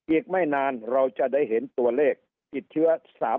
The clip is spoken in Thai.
อีกไม่นานเราจะได้เห็นตัวเลขติดเชื้อ๓๐